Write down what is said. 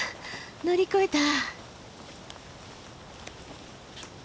乗り越えた。